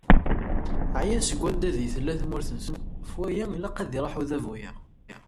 Ɛyan seg waddad ideg tella tmurt-nsen ɣef waya, ilaq ad iruḥ udabu-a.